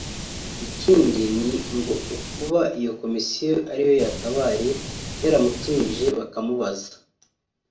Ikindi ni ngo ukuba iyo komisiyo ari yo yakabaye yaramutumije bakamubaza